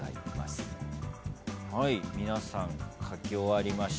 はい皆さん書き終わりました。